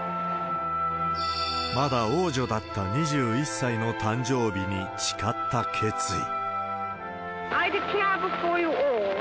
まだ王女だった２１歳の誕生日に誓った決意。